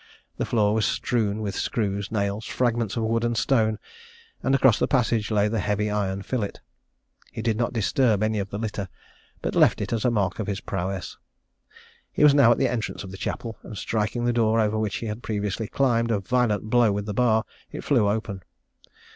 The floor was strewn with screws, nails, fragments of wood and stone, and across the passage lay the heavy iron fillet. He did not disturb any of the litter, but left it as a mark of his prowess. He was now at the entrance of the chapel, and striking the door over which he had previously climbed a violent blow with the bar, it flew open.